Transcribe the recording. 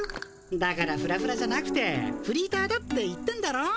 だからフラフラじゃなくてフリーターだって言ってんだろ。